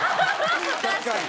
確かに。